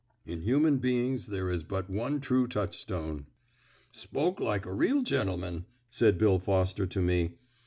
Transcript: "In human dealings there is but one true touchstone." "Spoke like a real gentleman," said Bill Foster to me.